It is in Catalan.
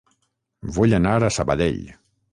Vull anar a Sabadell